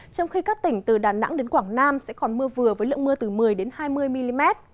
trong khi các tỉnh từ đà nẵng đến quảng nam sẽ còn mưa vừa với lượng mưa từ một mươi hai mươi mm